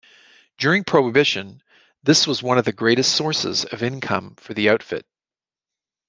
During prohibition, this was one of the greatest sources of income for the Outfit.